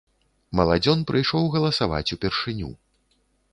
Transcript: Маладзён прыйшоў галасаваць упершыню.